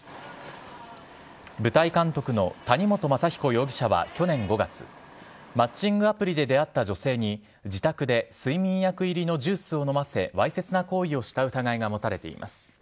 舞台監督の谷本雅彦容疑者は去年５月、マッチングアプリで出会った女性に、自宅で睡眠薬入りのジュースを飲ませ、わいせつな行為をした疑いが持たれています。